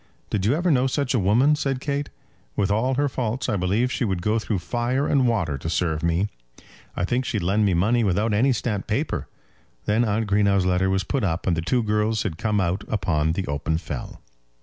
"Did you ever know such a woman?" said Kate; "with all her faults I believe she would go through fire and water to serve me. I think she'd lend me money without any stamped paper." Then Aunt Greenow's letter was put up, and the two girls had come out upon the open fell.